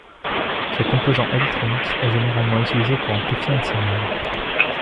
Ce composant électronique est généralement utilisé pour amplifier un signal.